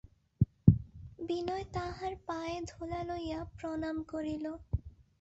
বিনয় তাঁহার পায়ের ধুলা লইয়া প্রণাম করিল।